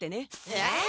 えっ？